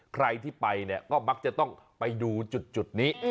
ใครที่ไปเนี่ยก็มักจะต้องไปดูจุดนี้